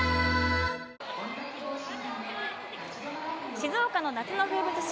静岡の夏の風物詩